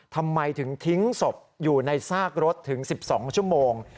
ทำไมถึงทิ้งศพอยู่ในซากรถถึง๑๒ชั่วโมง